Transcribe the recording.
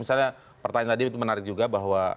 misalnya pertanyaan tadi itu menarik juga bahwa